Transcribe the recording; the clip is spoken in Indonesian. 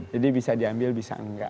jadi bisa diambil bisa enggak